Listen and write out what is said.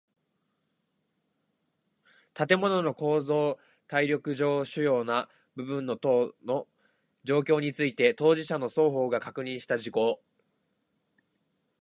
建物の構造耐力上主要な部分等の状況について当事者の双方が確認した事項